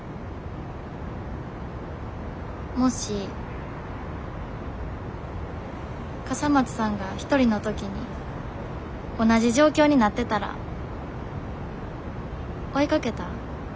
もし笠松さんが一人の時に同じ状況になってたら追いかけた？